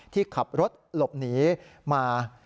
ที่ขับรถหลบหนีมา